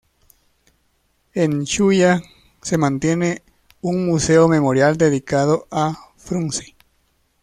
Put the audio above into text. En Shuya se mantiene un museo memorial dedicado a Frunze.